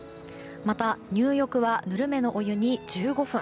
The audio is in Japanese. また入浴はぬるめのお湯に１５分。